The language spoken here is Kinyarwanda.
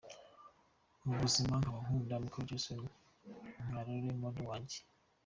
Mu buzima nkaba Nkunda Michael Jackson nka role model wanjye.